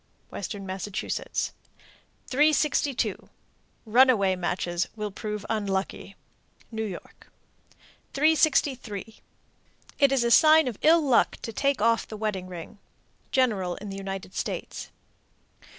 Western Massachusetts. 362. Runaway matches will prove unlucky. New York. 363. It is a sign of ill luck to take off the wedding ring. _General in the United States.